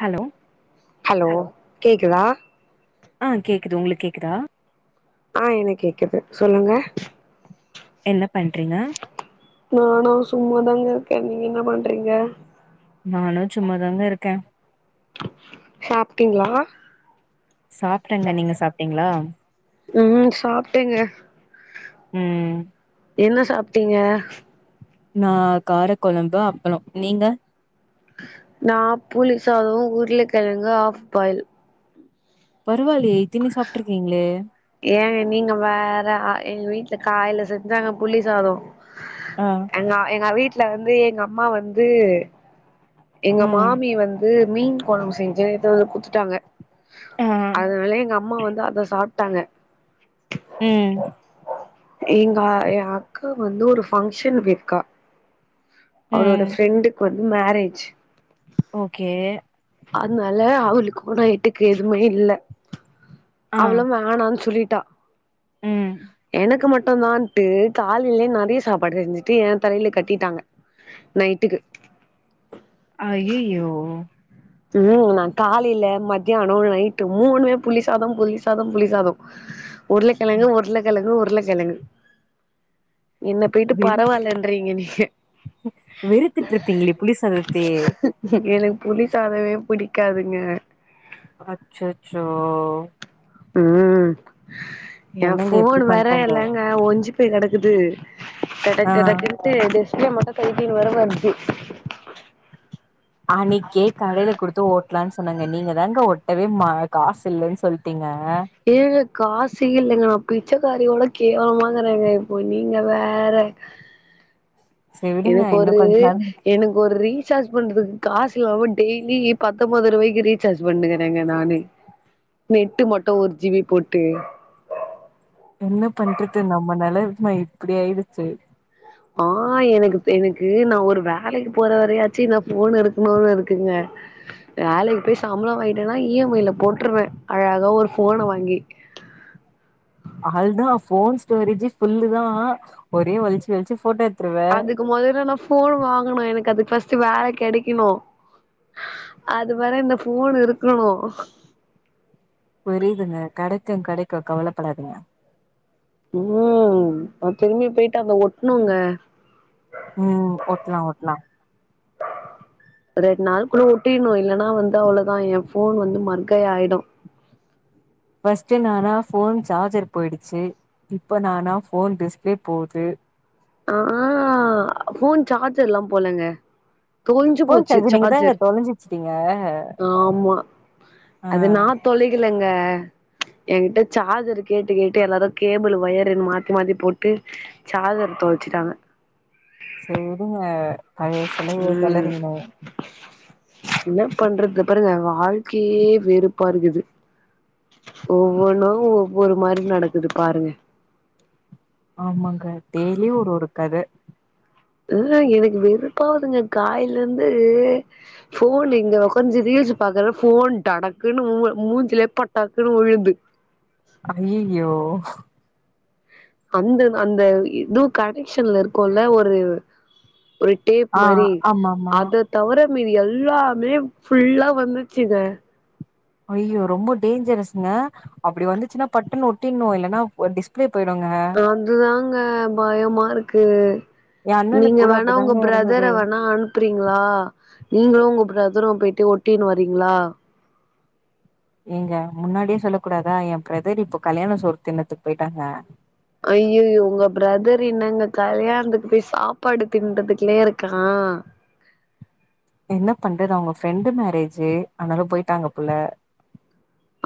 Hello hello கேக்குதா ஆ கேக்குது உங்களுக்கு கேக்குதா ஆ எனக்கேக்குது சொல்லங்க என்ன பண்றீங்க நானா சும்மா தாங்க இர்கே நீங்க என்னா பண்றீங்க நானு சும்மாதாங்க இருக்கே சாப்ட்டீங்ளா சாப்டங்க நீங்க சாப்ட்டீங்ளா உம் உம் சாப்ட்டேங்க உம் என்ன சாப்ட்டீங்க நா காரக்கொழம்பு அப்பளோ நீங்க நா புளி சாதோ உர்ளக்கெழங்கு ஹாஃப் பாயில் பரவாலியே இத்தினி சாப்ட்டுருக்கீங்ளே ஏங்க நீங்க வேற ஆ எங்க வீட்டுல காய்ல செஞ்சாங்க புளி சாதோ ஆ எங்க எங்க வீட் ல வந்து எங்க அம்மா வந்து எங்க ம் மாமி வந்து மீன் கொழம்பு செஞ்சு [unintelligible] குத்துட்டாங்க ஆ அதுனால எங்க அம்மா வந்து அத சாப் ட்டாங்க உம் எங்க எ அக்கா வந்து ஒரு ஃபங்ஷன் போயிர்க்கா அவுளோட ம் ஃப்ரெண்ட்டுக்கு வந் மேரேஜ் ஓகே அத்னால அவுளுக்கு போனா எட்டுக்க எதுமே இல்ல ஆ அவ்ளோ வேணான்னு சொல்லிட்டா ம் எனக்கு மட் ட்டுதான்ட்டு காலைலேயே நெறைய சாப்பாடு செஞ்சுட்டு எ தலைல கட்டிட்டாங்க நைட்டுக்கு அய்யய்யோ வூ நா காலைல மத்யானோ நைட்டு மூன்னுமே புளி சாதோ புளி சாதோ புளி சாதோ உர்ளக்கெழங்கு உர்ளக்கெழங்கு உர்ள ஜனங்க என்ன போயிட்டு வெறு பரவாலன்றீங்க நீங்க வெறுத்துட்டு இருப்பீங்களே புளி சாதத்தயே என புளி சாதமே புடிக்காதுங்க அச்சச்சோ உம் எ என்னங்க இப்டி ஃபோன் வேற பண்ட்டாங்க இலங்க ஒன்ஞ்சு போய் கெடக்கு இது டடக் ஆ டடக்குண்டு டிஸ்பிளே மட்டு கழட்டி வர வச்சு அன்னைக்கே கடையில குடுத்து ஓட்டலாம்னு சொன்னேங்க நீங்க தாங்க ஓ டவே காசு இல்லைன்னு சொல்லிட்டீங்க ஏழு காசி இல்லைங்கா அப் பிச்சைக்காரியோட கேவலமாங்கறாங்க இப்போ நீங்க வேற சரி விடுங்க எனக்கு இன்னு ஒரு கொஞ்ச நாள் எனக்கு ஒரு ரி சாஜ் பண்றதுக்கு காசு இல்லாம டெய்லி பத்தொம்பது ரூபாய்க்கு ரீசார்ஜ் பண்ணுகறேங்க நானு நெட்டு மட்டு ஒரு ஜிபி போட்டு என்ன பண்றது நம்ம நிலமை இப்படி ஆயிடுச்சு ஆஹ் எனக்கு எனக்கு நா ஒரு வேலைக்கு போற வரையாச்சும் என்ன போன் இருக்கணுமானு இருக்குங்க வேலைக்கு போய் சம்பளம் வாங்கிட்டேன்னா இ எம் ஐல போட்டுருவேன் அழகா ஒரு போன வாங்கி அது தா போன் ஸ்டோரேஜ் ஃபுல்லு தா ஒரே வலிச்சி வலிச்சு போட்டாச் அதுக்கு முதல்ல நா போன் வாங்கனும் எனக்கு அதுக்கு ஃபர்ஸ்ட் வேல கிடைக் க்கணும் அது வர இந்த போன் இருக்கணும் புரியுதுங்க கிடைக்கும் கிடைக்கும் கவலப்படாதீங்க உம் நா திரும்பி போயிட்டு அத ஒட்ணுங்க உம் ஒட்டலாம் ஒட்டலாம் ரெண்டு நாளுக்குள்ள ஒட்டிடணும் இல்லைன்னா வந்து அவ்வளவுதா என் போன் வந்து மட்கய் ஆயிடும் ஃபர்ஸ்ட் நானா போன் சார்ஜர் போயிடுச்சு இப்ப நானா போன் டிஸ்பிளே போது ஆஹ் போன் சார்ஜர் எல்லாம் போலேங்க தொழஞ்சு ஃபோன் போச்சு நீங்க தாங்க சார்ஜர் தொலைஞ்சுச்சுட்டீங்க ஆமா ஆ அது நா தொலைக்கலைங்க க என்கிட்ட சார்ஜர் கேட்டு கேட்டு எல்லாரும் கேபிள் ஒயர் மாத்தி மாத்தி போட்டு சார்ஜர் தொ ழச்சுட்டாங்க சரி விடுங்க பழைய சிலைய ம் கல்லறீங்க என்ன பண்றது பிறகு வாழ்க்கையே வெறுப்பா இருக்குது ஒவ்வொன்னும் ஒவ்வொரு மாதிரி நடக்குது பாருங்க ஆமாங்க டெய்லியும் ஒரு ஒரு கத இல்லங்க எனக்கு வெறுப்பாவதுங்க காயல இருந்து போன் இங்க உட்காந்து ரீல்ஸ் பாக்குற போன் டடக்குன்னு மூஞ்சுல லெ பாட்டாக்குன்னு உழுது ஐயய்யோ அந்த அந்த இதுவும் கனெக்ஷன்ல இருக்கும்ல்ல ஒரு ஒரு டேப் ஆ மாதிரி ஆமாமா அத தவிர மிதி எல்லாமே ஃபுல்லா வந்துச்சுங்க ஐயோ ரொம்ப டேஞ்சரஸ்ங்க அப்படி வந்துச்சுன்னா பட்டன்ன ஒட்டிடனும் இல்லனா டிஸ்பிளே போயிடுங்க அதுதாங்க பயமா இருக்கு எ அண்ணனுக்கு நீங்க கூட வேணா உங்க அப்டிதாங்க இருந்தது பிரதர வேணா அனுப்புறீங்களா நீங்களும் உங்க பிரதரும் போயிட்டு ஒட்டின்னு வரீங்களா எங்க முன்னாடியே சொல்ல கூடாதா என் பிரதர் இப்ப கல்யாண சோறு தின்னத்துக்கு போயிட்டாங்க ஐயையோ உங்க பிரதர் என்னங்க கல்யாணத்துக்கு போய் சாப்பாடு திண்ணுறதுலையே இருக்கா என்ன பண்றது அவங்க ஃப்ரெண்டு மேரேஜ் அதனால போயிட்டாங்க போல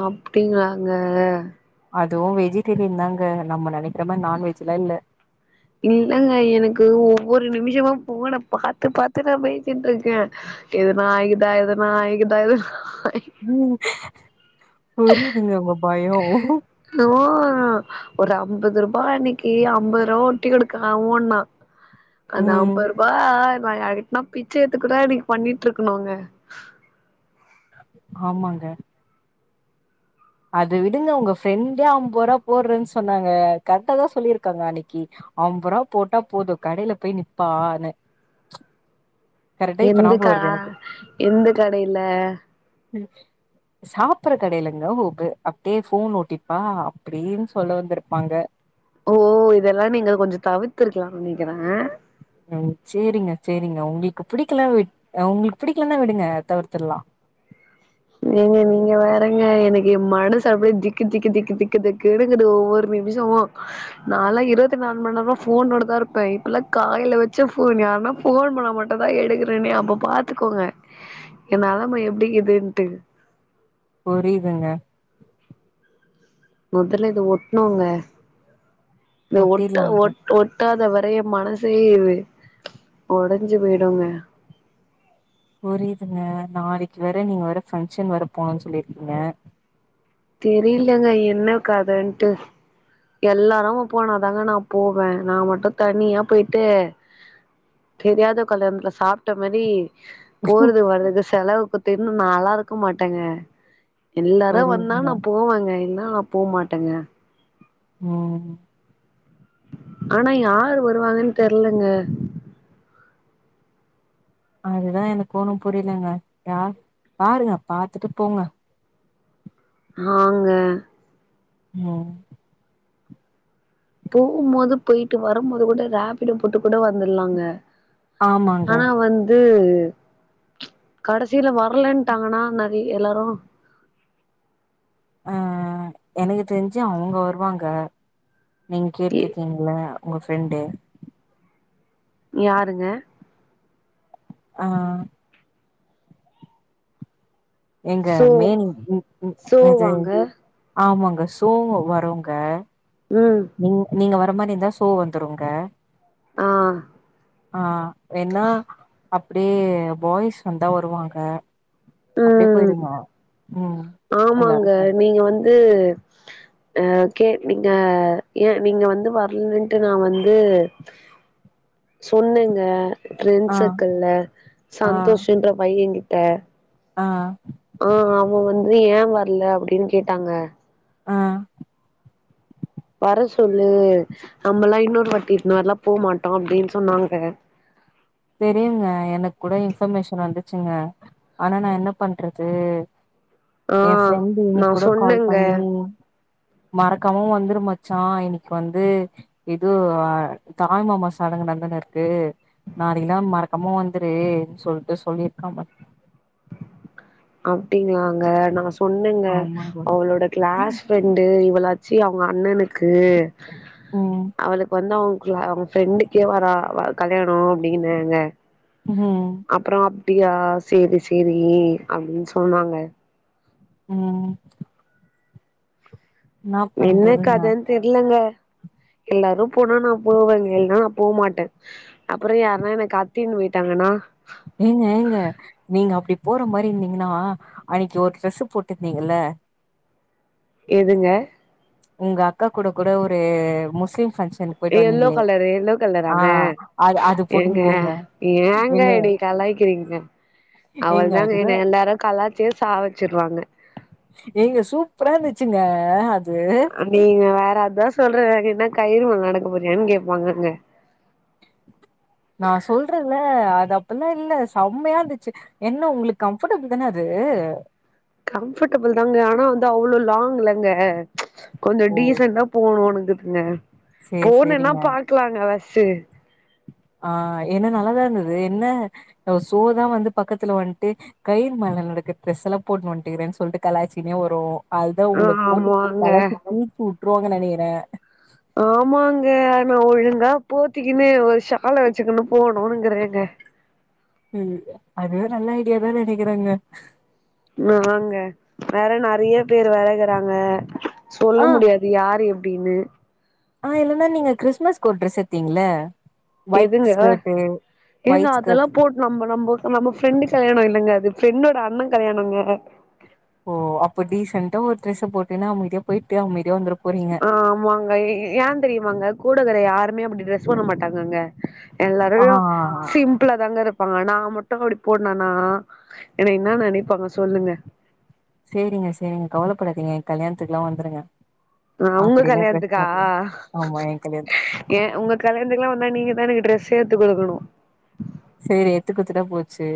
அப்படிங்களாங்க அதுவும் வெஜிடேரியன் தாங்க நம்ம நினக்க ரம்ம நான்வெஜ்லாம் இல்ல இல்லங்க எனக்கு ஒவ்வொரு நிமிஷமும் ஃபோன பாத்து பாத்து நான் பயந்துட்டு இருக்கேன் எதனா ஆய்க்குதா எதனா ஆய்க்குதா எதனா [unintelligible] புரியுதுங்க உங்க பயோ நோ ஒரு ஐம்பது ரூபா அப்பா அன்னைக்கு ஐம்பது ரூபா ஒட்டி எடுக்க அவன் ஓட்னா அந்த ம் அம்பதுருபா நான் யார்கிட்டனா பிச்சை எத்து கூட அன்னைக்கு பண்ணிட்டு இருக்கணுங்க ஆமாங்க அது விடுங்க உங்க ஃப்ரெண்டே ஐம்பது ரூபாய் போடுறன்னு சொன்னாங்க கரெக்டா தான் சொல்லியிருக்காங்க அன்னைக்கு ஐம்பது ரூபா் போட்டா போதும் கடையில போய் நிப்பான்னு கரெக்டா இப்ப எந்த ஞாபகம் வருது எனக்கு. எந்த கடையில சாப்பற கடையிலங்க [unintelligible] அப்படியே போன் ஓட்டிப்பா அப்படின்னு சொல்ல வந்திருப்பாங்க ஓ இதெல்லாம் நீங்க கொஞ்ச தவிர்த்துருக்கலானு நினைக்கிறேன் உம் சரிங்க சரிங்க உங்களுக்கு பிடிக்கலைன்னா விடுங்க உங்களுக்கு பிடிக்கலன்னா விடுங்க தவிர்த்தர்லா நீங்க நீங்க வேறங்க எனக்கு மனுசு அப்படியே திக்கு திக்கு திக்கு திக்கு திக்கு எக்குது ஒவ்வொரு நிமிஷமும் நான்ல இருபத்தி நாலு மணி நேர போனோட தான் இருப்பேன் இப்பல்லாம் காலையில வச்ச போன் யாருன்னா போன் பண்ண மட்டும் தான் எடுக்கறேன்னே அப்ப பாத்துக்கோங்க என் நெலம எப்படிக்குதுனு ட்டு புரியுதுங்க முதல்ல இத ஒட்னோங்க இந்த ஒட்ட ஒட்டிடலாங்க. ஒ ஒட்டாதவ நிறைய மனசே இது உடைஞ்சு போய்டுங்க புரியுதுங்க நாளைக்கு வேற நீங்க வேற பங்க்ஷன் வேற போணும்ன்னு சொல்லிருக்கீங்க தெரியலங்க என்ன கதன்ட்டு எல்லாரு போனாதாங்க நான் போவேன் நான் மட்டு தனியா போயிட்டு தெரியாத கல்யாணத்துல சாப்ட்ட மாதிரி போறது வர்துக்கு செலவு [unintelligible] நாளா இருக்க மாட்டேங்க எல்லாரும் வ புரியுதுங்க. நானா போவாங்க என்ன நான் போ மாட்டேங்க உஹ்ம் ஆனா யார் வருவாங்கன்னு தெர்லங்க அதுதான் எனக்கும் ஒன்னும் புரியலங்க யார் பாருங்க பாத்துட்டு போங்க ஆஹங்க ம் ஹ் போகுபோது போயிட்டு வரும்போது கூட ரேபிடோ போட்டு கூட வந்திரலாங்க ஆமாங்க ஆனா வந்து கடசிலே வரலன்ட்டாங்கன்னா நெறை எல்லாரு அஹ் எனக்கு தெரிஞ்சு அவங்க வருவாங்க நீங்க கேட்டுருகீங்களே உங்க ஃப்ரெண்டு யாருங்க ஆஹ் எங்க சோ மேன் சோவாங்க [inaudible] ஆமாங்க சோவா வரோங்க ம் நீ நீங்க வா அந்த மாரி இருந்தா சோ வந்துருங்க ஆ ஆஹ் வேன்னா அப்புடியே பாய்ஸ் வந்தா வருவாங்க அப்டியே உம் போயிடுங்க ம் எல்லாரு ஆமாங்க சேந்து நீங்க வந்து அஹ் ஓகே நீங்க ஏன் நீங்க வந்து வரலன்ட்டு நா வந்து சொன்னேங்க ஃப்ரெண்ட் ஆ சர்க்கிள்ல சந்தோஷ் ன்ற பையகி ஆஹ் ஆஹ் அவன் வந்து ஏன் வரல அப்டின்னு கேட்டாங்க ஆ வர சொல்லு நம்மல்லா இன்னொரு வாட்டி இந்மாரில்லா போக மாட்டோ அப்புடின்னு சொன்னாங்க தெரியுங்க எனக் கூட இன்ஃபர்மேஷன் வந்துச்சுங்க ஆனா நா என்ன பண்றது ஆ ஏன் ஃப்ரெண்டு் நா இன்னைக் கூட கால் சொன்னேங்க பண்ணி மறக்காமவு வந்துருமச்சா இன்னைக்கு வந்து ஏதோ ஆ தாய் மாமா சடங்கு நடந்துன்னு இருக்கு நாளைகெல்லா மறக்காம வந்துரு சொல்லிட்டு சொல்லியிருக்கா அப்புடிங்களாங்க நா சொ பொண்ணுங்க ஆமா தோழி அவளோட கிளாஸ் ம் ஃப்ரெண்டு் இவள சீ அவங்க அண்ணனு க்கு ம் அவளுக்கு வந்து அவங்க ஃப்ரெண்டு கேமரா கல்யாண அப்புடின்னு ஹே ஹே ஹே அஹும் அப்புடியா சேரி சேரி அப்பபுடின்னு சொன்னாங்க உம் என்ன கதன்னு தெரிலங்க எல்லாரு போனா நா போவேங்க இல்ன்னா நான் போமாட்டே அப்புறயாருன்னா என்ன கடத்தின்னு போயிட்டாங்கனா ஏங்க ஏங்க நீங்க அப்புடி போற மாரி இருந்தீங்னா அன்னைக்கு ஒரு ட்ரெஸ் போட்டுருந்தீங்கலே எதுங்க உங்க அக்கா கூட கூட ஒரு முஸ்லிம் ஃபங்க்ஷனுக்கு போயிட்டு எல்லோ வந்தீங்களே கலரு எல்லோ ஆ கலராங்க அது அது எங்க போட்டுன்னு போங்க ஏங்க எடி கலாய்கிறீங்க அவள் ஏங்க தாங்க அதுதா என் எல்லாரு கலாயச்சியே சாவச்சிருவாங்க எங்க சூப்பரா இருந்துச்சுங்க அது. நீங்க வேற அத சொல்ற என்ன கயிறுமல்ல நடக்க போறியான்னு கேட்பாங்க அங்க அ அப்பல்லா இல்ல செம்மையா இருந்துச்சு என்ன உங்ளுக்கு கம்ஃபர்டபிள் தானே அது கம்ஃபர்டபிள் தாங்க ஆனா வந்து அவ்ளோ லாங் லங்க கொஞ்சோ ஓ! டிசன்ட போணுங் [unintelligible] சரி, போணனா சரிங்க. பாக்கலாங்க ஃபஸ் செரி ஆ என்ன நல்லாதா இருந்தது என்ன சோ தா வந்து பக்கத்துல வன்ட்டு கயிறு மேல நடக்குற ட்ரெஸ் எல்லா போட்டுனு வந்துட்டுகிறேன்னு சொல்லிட்டு கலாச்சினே வரோ அதுதா உங்ளுக்கு போட்டு ஆமாங்க பலகிட்டு [unintelligible] விட்ரோ நனைக்கிற ஆமாங்க ஒழுங்கா போத்திக்குனு ஒரு ஹால வச்சுக்கன்னு போணுனுங்றேங்க ம் அதுவே நல்ல ஐடியாாதா நனைகிறேங்க வாங்க வேற நறைய பேர் வறகுறாங்க சொல்ல முடியாது யாரு எ அப்டின்னு ஆஹ் இல்லன்னா நீங்க கிறிஸ்மஸ் கொர் ட்ரெஸ் எத்தீங்கள எதுங்க ஏங்க ஒயிட் ஸ்கர்ட் அதெல்லா போட்டு நம்ம நம்ம நம்ம ஃப்ரெண்ட் கல்யாணோ இல்லங்க அது என்னோட அண்ண கல்யாணோங்க ஓ அப்போ டிசெண்டா ஒரு ட்ரெஸை போட்டுனு அமைதியா போயிட்டு அமைதியா வந்துற ஆஹ் ஆமாங்க ஏ தெரியுமாங்க கூடகரை யாருமே அப்டி டிரெஸ் பண்ண மாட்டாங்க ங்கங்க எல்லாரு ஆ சிம்பள தாங்க இரு பா நா மட்டோ அப்டி போட்னோனா என்ன இன்ன நெனைப்பாங்க சொல்லுங்க செரிங்க செரிங்க கவலபடாதீங்க ஏ கல்யாணத்துக்கு எல்லா வந்துருங்க ஆ உங்க அப்டில்லா ட்ரெஸ் கல்யாணத்துகா போட்டுக்க ஆமா என் கல்யாணத்துக்கு ஏ உங்க கல்யாணத்துக்கு எல்லா வந்தா நீங்கதா எனக்கு ட்ரெஸ்ஸே எடுத்துக் குடுக்கணோ செரி எத்துகுடுதுட்டா போச்சு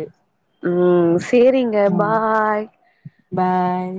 ம் செரிங்க ம் பாய் பாய்